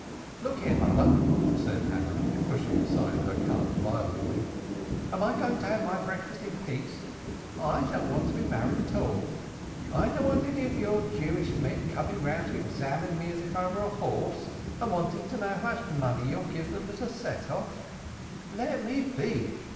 "Look here, mother!" cried Hannah, pushing aside her cup violently. "Am I going to have my breakfast in peace? I don't want to be married at all. I don't want any of your Jewish men coming round to examine me as if! were a horse, and wanting to know how much money you'll give them as a set off. Let me be!